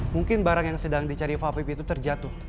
mungkin barang yang sedang dicari fakta itu terjatuh